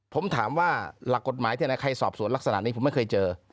ผมถามว่าหลักกฎหมายใครสอบสวนลักษณะนี้ผมไม่เคยเจอ